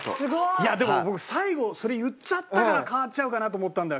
いやでも僕最後それ言っちゃったから変わっちゃうかなと思ったんだよ